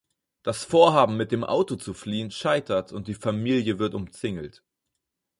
Das Vorhaben, mit dem Auto zu fliehen, scheitert, und die Familie wird umzingelt.